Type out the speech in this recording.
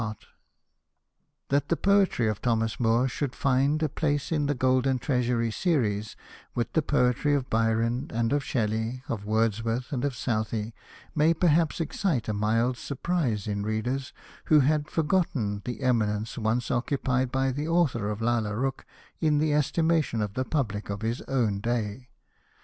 Hosted by Google INTRODUCTION xxiu That the Poetry of Thomas Moore should find a place in the Golden Treasury Series with the poetry of Byron and of Shelley, of Wordsworth and of Southey, may perhaps excite a mild surprise in readers who have forgotten the eminence once occupied by the author of " Lalla Rookh " in the estimation of the public of his own day.